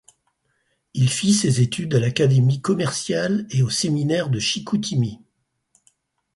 Il fit ses études à l’Académie Commerciale et au Séminaire de Chicoutimi.